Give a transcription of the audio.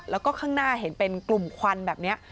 แล้วก็ข้างหน้าเห็นเป็นกลุ่มควันแบบนี้